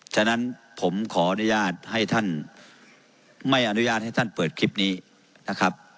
ฉะนั้นผมขออนุญาตให้ท่านไม่อนุญาตให้ท่านเปิดคลิปนี้นะครับ